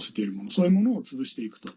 そういうものを潰していくと。